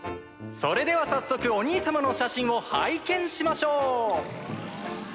それでは早速お兄様の写真を拝見しましょう！